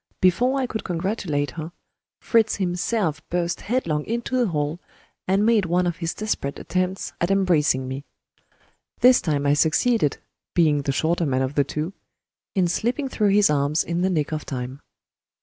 Before I could congratulate her, Fritz himself burst headlong into the hall, and made one of his desperate attempts at embracing me. This time I succeeded (being the shorter man of the two) in slipping through his arms in the nick of time.